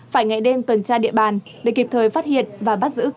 phải ngày đêm tuần tra địa bàn để kịp thời phát hiện và bắt giữ